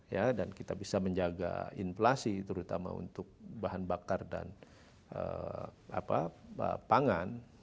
ya dan kita bisa menjaga inflasi terutama untuk bahan bakar dan pangan